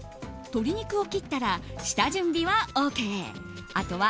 鶏肉を切ったら下準備はＯＫ。